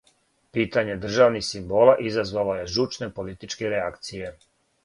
Питање државних симбола изазвало је жучне политичке реакције.